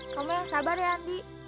kamu yang sabar ya andi